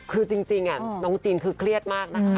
คือจริงน้องจีนคือเครียดมากนะคะ